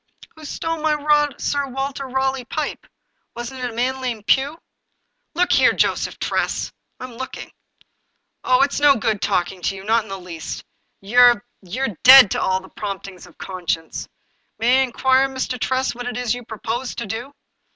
" Who stole my Sir Walter Raleigh pipe ? Wasn't it a man named Pugh ?"" Look here, Joseph Tress !"" Fm looking." " Oh, it's no good talking to you, not the least ! You're — you're dead to all the promptings of conscience ! May I inquire, Mr. Tress, what it is you propose to do